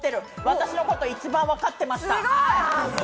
私のこと一番分かってました。